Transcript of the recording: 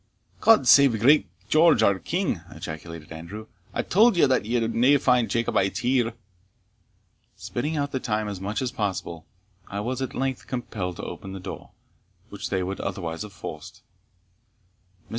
"God save great George our King!" ejaculated Andrew. "I tauld ye that ye would find nae Jacobites here." Spinning out the time as much as possible, I was at length compelled to open the door, which they would otherwise have forced. Mr.